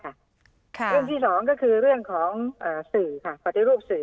เรื่องที่สองก็คือเรื่องของสื่อค่ะปฏิรูปสื่อ